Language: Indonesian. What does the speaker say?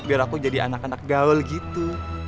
biar aku jadi anak anak gaul gitu